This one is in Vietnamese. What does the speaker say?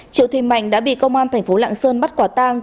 triệu thị mạnh đã bị công an tp lạng sơn bắt quả tang